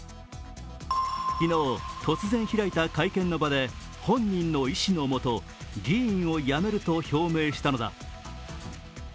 昨日、突然開いた会見の場で本人の意思のもと、議員を辞めると表明したのだ。